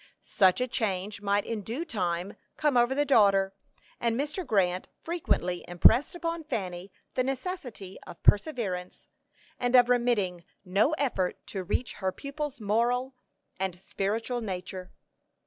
Such a change might in due time come over the daughter, and Mr. Grant frequently impressed upon Fanny the necessity of perseverance, and of remitting no effort to reach her pupil's moral and spiritual nature.